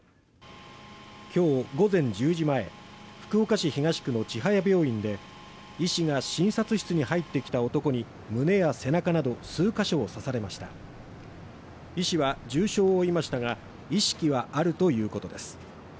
今日午前１０時前福岡市東区の千早病院で医師が診察室に入ってきた男に胸や背中など数カ所を刺されました医師は重傷を負いましたが意識はあるということです